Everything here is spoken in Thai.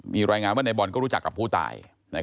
มีรายงานว่าในบอลก็รู้จักกับผู้ตาย